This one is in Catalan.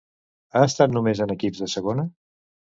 Ha estat només en equips de segona?